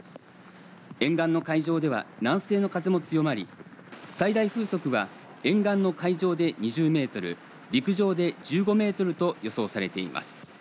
沿岸の海上では南西の風も強まり最大風速は沿岸の海上で２０メートル陸上で１５メートルと予想されています。